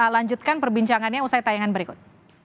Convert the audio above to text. lanjutkan perbincangannya usai tayangan berikut